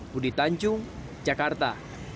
budi tancung jakarta